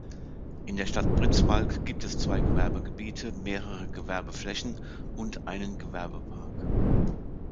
In der Stadt Pritzwalk gibt es zwei Gewerbegebiete, mehrere Gewerbeflächen und einen Gewerbepark.